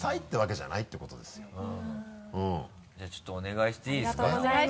じゃあちょっとお願いしていいですか？